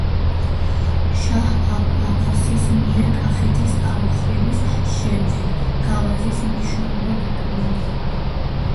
შაჰ-აბასის მიერ კახეთის აოხრების შემდეგ გავაზის მნიშვნელობა დაკნინდა.